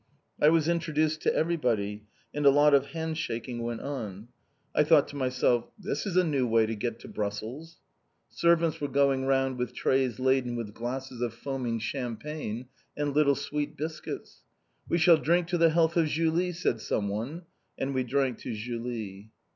I was introduced to everybody, and a lot of hand shaking went on. I thought to myself, "This is a new way to get to Brussels!" Servants were going round with trays laden with glasses of foaming champagne, and little sweet biscuits. "We shall drink to the health of Julie!" said someone. And we drank to Julie.